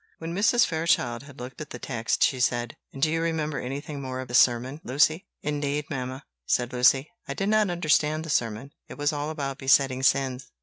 '" When Mrs. Fairchild had looked at the text, she said: "And do you remember anything more of the sermon, Lucy?" "Indeed, mamma," said Lucy, "I did not understand the sermon; it was all about besetting sins.